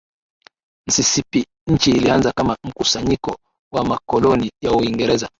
Mississippi Nchi ilianza kama mkusanyiko wa makoloni ya Uingereza